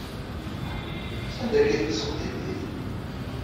Sanda akka ay teɣṣeb tiddit?